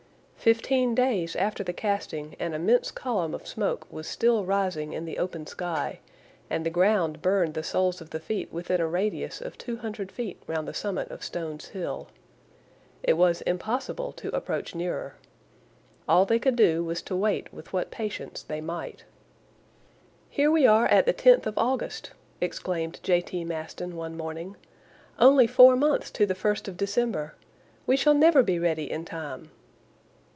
Fifteen days after the casting an immense column of smoke was still rising in the open sky and the ground burned the soles of the feet within a radius of two hundred feet round the summit of Stones Hill. It was impossible to approach nearer. All they could do was to wait with what patience they might. "Here we are at the 10th of August," exclaimed J. T. Maston one morning, "only four months to the 1st of December! We shall never be ready in time!"